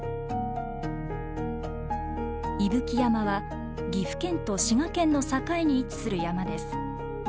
伊吹山は岐阜県と滋賀県の境に位置する山です。